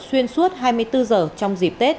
xuyên suốt hai mươi bốn h trong dịp tết